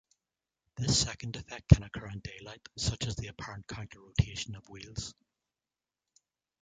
This second effect can occur in daylight, such as the apparent counter-rotation of wheels.